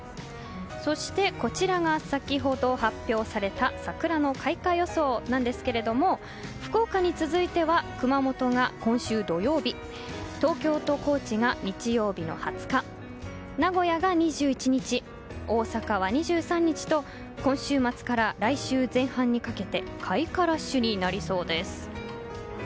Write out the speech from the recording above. そしてこちらが先ほど発表された桜の開花予想なんですけれども福岡に続いては熊本が今週土曜日東京と高知が日曜日の２０日名古屋が２１日、大阪は２３日と今週末から来週前半にかけて開花ラッシュになりそうです。